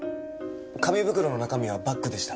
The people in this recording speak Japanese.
紙袋の中身はバッグでした。